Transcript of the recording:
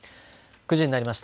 ９時になりました。